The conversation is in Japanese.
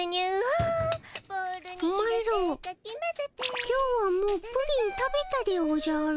マロ今日はもうプリン食べたでおじゃる。